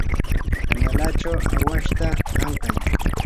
kanalachaw awashta ankay.